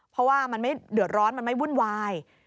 เพราะว่ามันไม่เดือดร้อนมันไม่วุ่นวาย